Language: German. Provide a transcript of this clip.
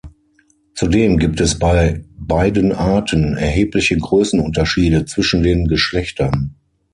Zudem gibt es bei beiden Arten erhebliche Größenunterschiede zwischen den Geschlechtern.